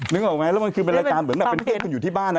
นึกออกไหมแล้วมันคือเป็นรายการเหมือนแบบเป็นเพื่อนคุณอยู่ที่บ้านนะ